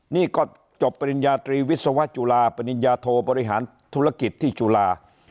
นี่ก็จบปริญญาตรีวิศวจุฬาปริญญาโทบริหารธุรกิจที่จุฬา